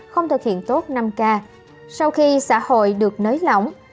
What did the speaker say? không thực hiện tốt năm k sau khi xã hội được nới lỏng